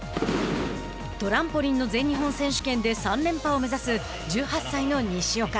トランポリンの全日本選手権で３連覇を目指す１８歳の西岡。